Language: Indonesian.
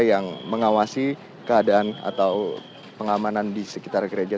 yang mengawasi keadaan atau pengamanan di sekitar gereja